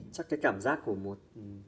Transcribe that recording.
chắc cái cảm giác của một